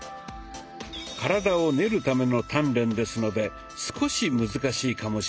「体を練るための鍛錬」ですので少し難しいかもしれませんよ。